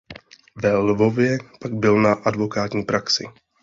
Ve Lvově pak byl na advokátní praxi.